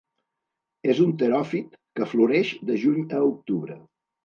És un teròfit que floreix de juny a octubre.